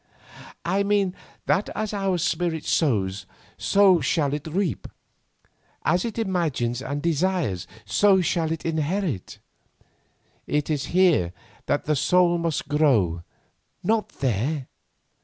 "I mean that as our spirit sows, so shall it reap; as it imagines and desires, so shall it inherit. It is here that the soul must grow, not there.